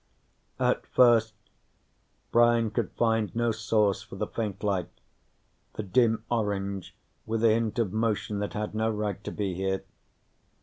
At first Brian could find no source for the faint light, the dim orange with a hint of motion that had no right to be here.